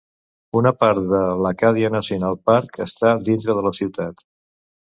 Una part de l"Acadia National Park està a dintre de la ciutat.